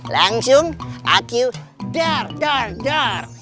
langsung aku dar dar dar